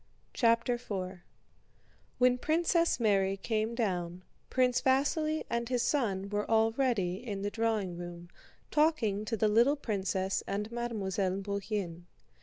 CHAPTER IV When Princess Mary came down, Prince Vasíli and his son were already in the drawing room, talking to the little princess and Mademoiselle Bourienne.